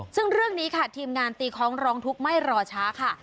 ซึ่งเรื่องนี้ค่ะทีมงานตีคล้องร้องทุกข์ไม่รอช้าค่ะ